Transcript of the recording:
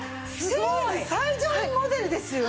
シリーズ最上位モデルですよね？